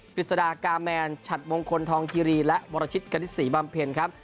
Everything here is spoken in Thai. ฤษฎากาแมนฉัดมงคลทองคิรีและวรชิตกณิตศรีบำเพ็ญครับ